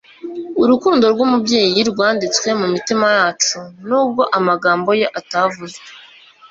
urukundo rwumubyeyi rwanditswe mu mitima yacu, nubwo amagambo ye atavuzwe